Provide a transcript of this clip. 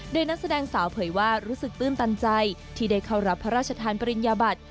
โดยนักแสดงสาวเผยว่ารู้สึกตื้นตันใจที่ได้เข้ารับพระราชทานปริญญาบัติ